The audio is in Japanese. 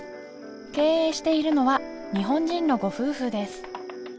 経営しているのは日本人のご夫婦です